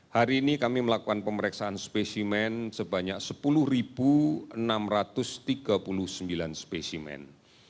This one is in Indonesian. hari ini kami melakukan pemeriksaan spesimen sebanyak sepuluh enam ratus tiga puluh sembilan spesimen